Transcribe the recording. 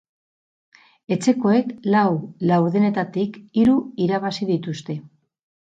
Etxekoek lau laurdenetatik hiru irabazi dituzte.